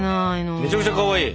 めちゃめちゃかわいい。